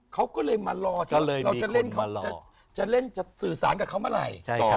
เขาก็เลยมารอที่เลยเราจะเล่นเขาจะเล่นจะสื่อสารกับเขาเมื่อไหร่